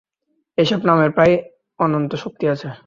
এইসব নামের প্রায় অনন্ত শক্তি আছে।